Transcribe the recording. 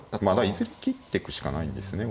いずれ切ってくしかないんですね